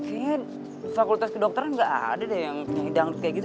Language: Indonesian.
kayaknya fakultas kedokteran nggak ada deh yang punya hidangan kayak gitu